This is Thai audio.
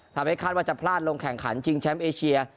คาดว่าจะพลาดลงแข่งขันชิงแชมป์เอเชีย